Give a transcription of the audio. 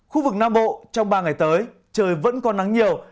khu vực nam bộ trong ba ngày tới trời vẫn có nắng nhiều